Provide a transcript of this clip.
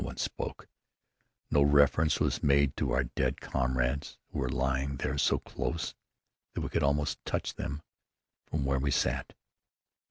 No one spoke. No reference was made to our dead comrades who were lying there so close that we could almost touch them from where we sat.